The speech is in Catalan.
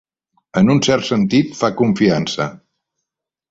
En un cert sentit, fa confiança.